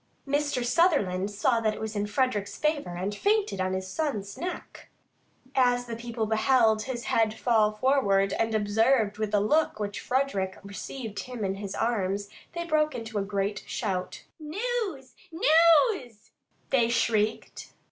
Mr. Sutherland saw that it was in Frederick's favour and fainted on his son's neck. As the people beheld his head fall forward, and observed the look with which Frederick received him in his arms, they broke into a great shout. "News!" they shrieked.